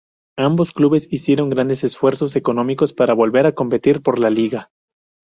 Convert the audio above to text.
Ambos clubes hicieron grandes esfuerzos económicos para volver a competir por la Liga.